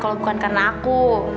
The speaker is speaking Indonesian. kalau bukan karena aku